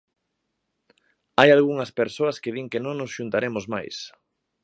Hai algunhas persoas que din que non nos xuntaremos máis.